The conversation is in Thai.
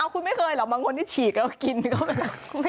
คุณไม่เคยเหรอบางคนที่ฉีดแล้วกินก็ครับ